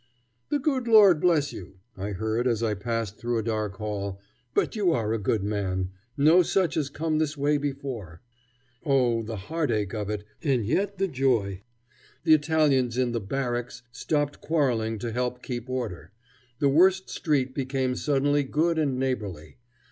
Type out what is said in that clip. "The good Lord bless you," I heard as I passed through a dark hall, "but you are a good man. No such has come this way before." Oh! the heartache of it, and yet the joy! The Italians in the Barracks stopped quarreling to help keep order. The worst street became suddenly good and neighborly.